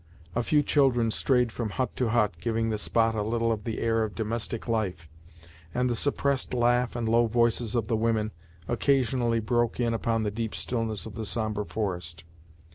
A few children strayed from hut to hut, giving the spot a little of the air of domestic life, and the suppressed laugh and low voices of the women occasionally broke in upon the deep stillness of the sombre forest.